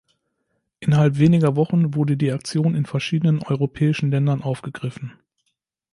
Innerhalb weniger Wochen wurde die Aktion in verschiedenen europäischen Ländern aufgegriffen.